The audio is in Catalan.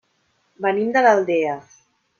Venim de l'Aldea.